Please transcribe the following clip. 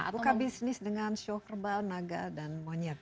buka bisnis dengan sio kerbau naga dan monyet